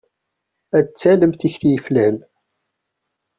Ad talem tekti yeflan.